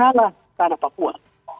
masalah tanah papua